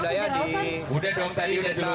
udah dong tadi udah jeluar